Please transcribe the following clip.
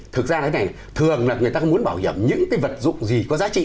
thực ra cái này thường là người ta không muốn bảo hiểm những cái vật dụng gì có giá trị